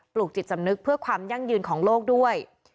ลูกจิตสำนึกเพื่อความยั่งยืนของโลกด้วย